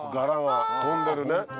飛んでるね。